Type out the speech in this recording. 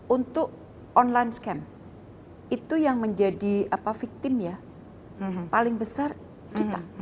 untuk online scam itu yang menjadi victim ya paling besar kita